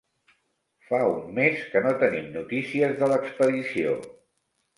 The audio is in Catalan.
Fa un mes que no tenim notícies de l'expedició.